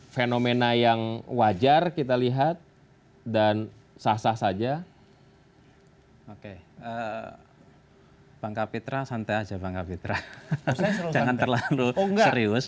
fenomena yang wajar kita lihat dan sah sah saja oke bang kapitra santai aja bang kapitra jangan terlalu serius